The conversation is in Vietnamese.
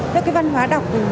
thế cái văn hóa đọc